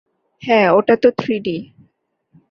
হ্যাঁ, ওটা তো থ্রিডি।